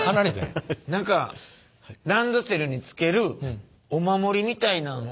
何かランドセルに付けるお守りみたいなんをこれで。